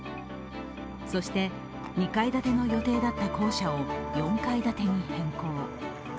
そして、２階建ての予定だった校舎を、４階建てに変更。